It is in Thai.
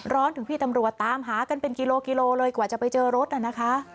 ถึงพี่ตำรวจตามหากันเป็นกิโลกิโลเลยกว่าจะไปเจอรถน่ะนะคะ